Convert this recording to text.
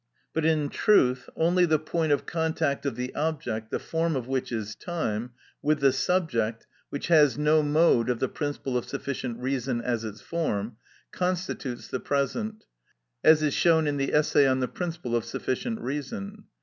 But in truth, only the point of contact of the object, the form of which is time, with the subject, which has no mode of the principle of sufficient reason as its form, constitutes the present, as is shown in the essay on the principle of sufficient reason.